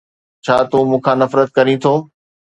ڇا تون مون کان نفرت ڪرين ٿو؟